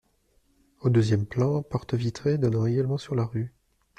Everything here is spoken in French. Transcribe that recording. Au deuxième plan, porte vitrée donnant également sur la rue.